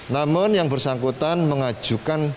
namun yang bersangkutan mengajukan